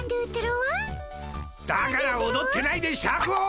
だからおどってないでシャクを。